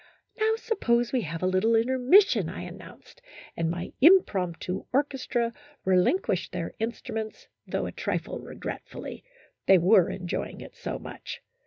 " Now, suppose we have a little intermission," I announced, and my impromptu orchestra relin quished their instruments, though a trifle regretfully ; they were enjoying it so much.